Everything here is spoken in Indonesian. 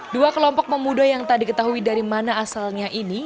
dua kelompok pemuda yang tak diketahui dari mana asalnya ini